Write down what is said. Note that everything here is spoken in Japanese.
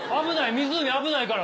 湖危ないから。